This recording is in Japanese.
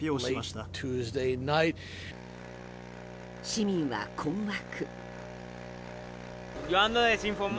市民は困惑。